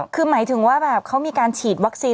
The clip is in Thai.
คือหมายถึงว่าแบบเขามีการฉีดวัคซีน